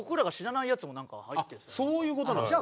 そういう事なんですか。